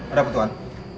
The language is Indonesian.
ada apa tuan